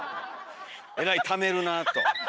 「えらいためるなあ」と。